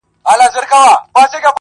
كومه پېغله به غرمه د ميوند سره كي؛